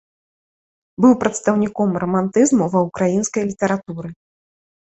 Быў прадстаўніком рамантызму ва ўкраінскай літаратуры.